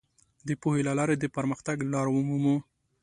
د پوهې له لارې د پرمختګ لار ومومو.